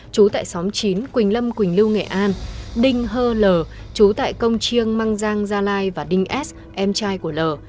chú tại xóm chín quỳnh lâm quỳnh lưu nghệ an đinh hơ l chú tại công chiêng măng giang gia lai và đinh s em trai của l